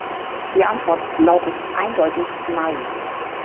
Die Antwort lautet eindeutig nein.